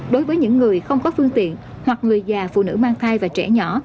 đối với những người không có phương tiện hoặc người già phụ nữ mang thai và trẻ nhỏ